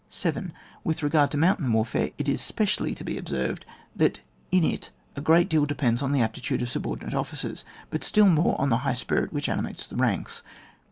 7. With regard to mountain warfare, it is specially to be observed, that in it a great deal depends on the aptitude of subordinate officers, but still more on the high spirit which animates the ranks.